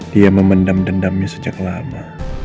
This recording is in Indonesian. dia memendam dendamnya sejak lama